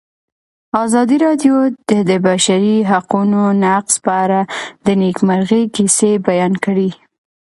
ازادي راډیو د د بشري حقونو نقض په اړه د نېکمرغۍ کیسې بیان کړې.